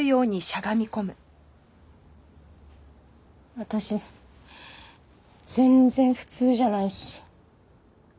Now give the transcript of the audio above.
私全然普通じゃないし。